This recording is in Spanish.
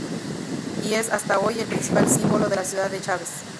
Y es hasta hoy, el principal símbolo de la ciudad de Chaves.